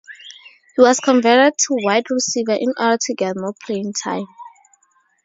He was converted to wide receiver in order to get more playing time.